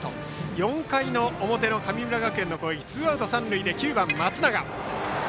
４回の表の神村学園の攻撃ツーアウト三塁で９番の松永。